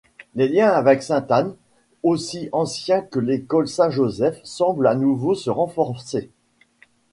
Les liens avec Sainte-Anne, aussi anciens que l'école Saint-Joseph, semblent à nouveau se renforcer.